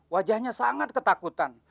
wajahnya sangat ketakutan